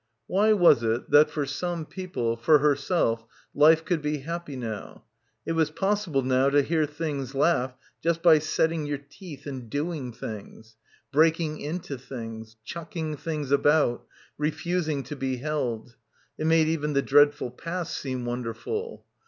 Why was it that for some people, for herself, life could be happy now? It was possible now to hear things laugh just by setting your teeth and doing things; breaking into things, chucking things about, refusing to be held. It made even the dreadful past seem wonderful.